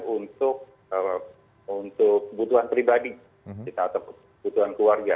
sepuluh untuk kebutuhan pribadi kita butuhkan keluarga